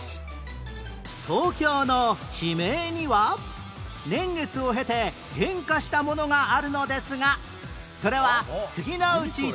東京の地名には年月を経て変化したものがあるのですがそれは次のうちどれ？